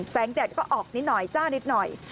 แดดก็ออกนิดหน่อยจ้านิดหน่อย